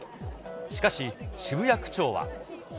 しかし、渋谷区長は。